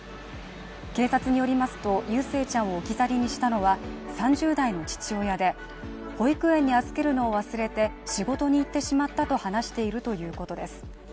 警察によりますと、祐誠ちゃんを置き去りにしたのは３０代の父親で保育園に預けるの忘れて仕事に行ってしまったと話しているということです。